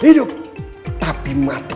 hidup tapi mati